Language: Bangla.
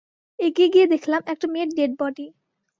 এগিয়ে গিয়ে দেখলাম একটা মেয়ের ডেডবিডি।